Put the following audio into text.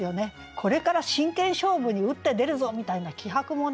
これから真剣勝負に打って出るぞみたいな気迫もね